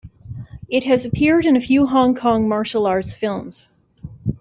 It has appeared in a few Hong Kong martial arts films.